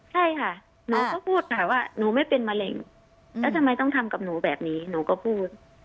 ใช่ค่ะหนูก็พูดค่ะว่าหนูไม่เป็นมะเร็งแล้วทำไมต้องทำกับหนูแบบนี้หนูก็พูด